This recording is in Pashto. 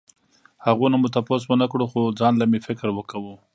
هغو نه مو تپوس ونکړو خو ځانله مې فکر کوو